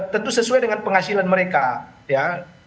tentu sesuai dengan penghasilan mereka ya